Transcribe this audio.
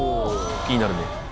気になるね。